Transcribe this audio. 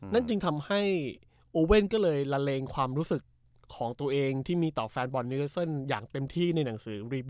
นั่นจึงทำให้โอเว่นก็เลยละเลงความรู้สึกของตัวเองที่มีต่อแฟนบอลนิวเซิลอย่างเต็มที่ในหนังสือรีบ